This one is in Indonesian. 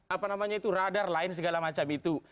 apa namanya itu radar lain segala macam itu